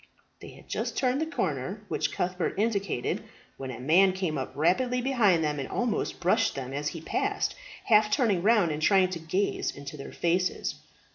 They had just turned the corner which Cuthbert indicated, when a man came up rapidly behind them and almost brushed them as he passed, half turning round and trying to gaze into their faces.